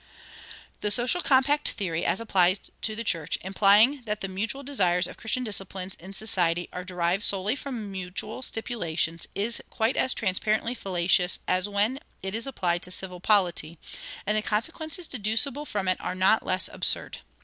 The social compact theory as applied to the church, implying that the mutual duties of Christian disciples in society are derived solely from mutual stipulations, is quite as transparently fallacious as when it is applied to civil polity, and the consequences deducible from it are not less absurd.